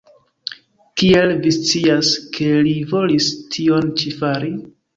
Kiel vi scias, ke li volis tion ĉi fari?